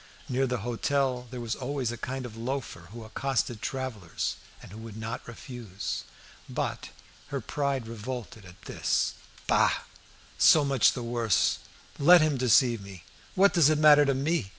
Near the hotel there was always a kind of loafer who accosted travellers, and who would not refuse. But her pride revolted at this. "Bah! so much the worse. Let him deceive me! What does it matter to me?